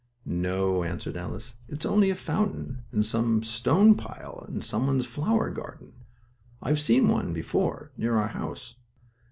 "No," answered Alice. "It is only a fountain in a stone pile in somebody's flower garden. I've seen one before, near our house."